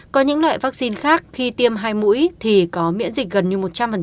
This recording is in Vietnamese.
có những loại vaccine khác khi tiêm hai mũi thì có miễn dịch gần như một trăm linh